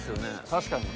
確かに。